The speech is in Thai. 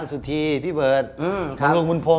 สุธีพี่เบิร์ตของลูกมุนโพม